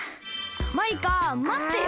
マイカまってよ。